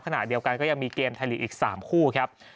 ขณะเดียวกันก็ยังมีเกมไทยลีกอีก๓คู่ครับ